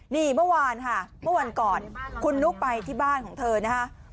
นี่เมื่อวานค่ะเมื่อวันก่อนคุณนุ๊กไปที่บ้านของเธอนะคะ